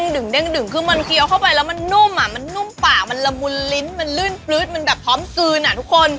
ดึงเด้งดึงคือมันเคี้ยวเข้าไปแล้วมันนุ่มอ่ะมันนุ่มปากมันละมุนลิ้นมันลื่นปลื๊ดมันแบบพร้อมกลืนอ่ะทุกคน